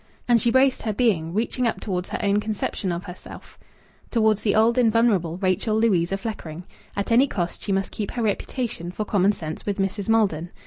And she braced her being, reaching up towards her own conception of herself, towards the old invulnerable Rachel Louisa Fleckring. At any cost she must keep her reputation for common sense with Mrs. Maldon.